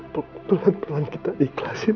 pelan pelan kita ikhlasin